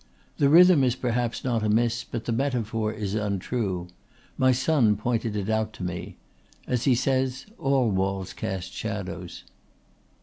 "The rhythm is perhaps not amiss but the metaphor is untrue. My son pointed it out to me. As he says, all walls cast shadows."